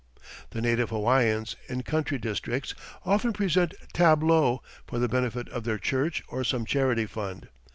The native Hawaiians in country districts often present "tableaux" for the benefit of their church or some charity fund.